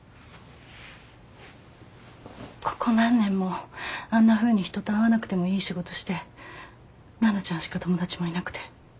ここ何年もあんなふうに人と会わなくてもいい仕事して奈々ちゃんしか友達もいなくて。